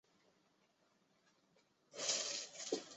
新加坡总统奖学金是新加坡最高荣誉的学术奖学金。